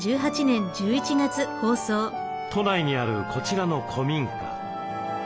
都内にあるこちらの古民家。